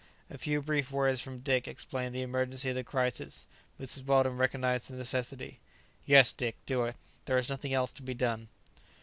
A few brief words from Dick explained the emergency of the crisis. Mrs. Weldon recognized the necessity, "Yes, Dick, do it; there is nothing else to be done."